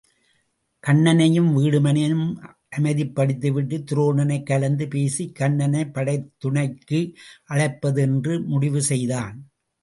கன்னனையும் வீடுமனையும் அமைதிப்படுத்திவிட்டுத் துரோணனைக் கலந்து பேசிக் கண்ணனைப் படைத்துணைக்கு அழைப்பது என்று முடிவு செய்தான்.